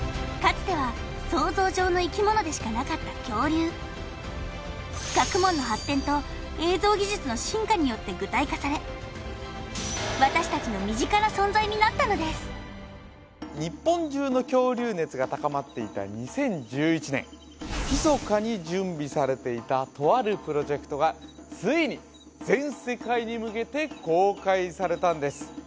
つては想像上の生き物でしかなかった恐竜学問の発展と映像技術の進化によって具体化され日本中の恐竜熱が高まっていた２０１１年ひそかに準備されていたとあるプロジェクトがついに全世界に向けて公開されたんです